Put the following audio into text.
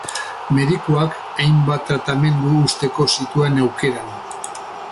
Medikuak hainbat tratamendu usteko zituen aukeran.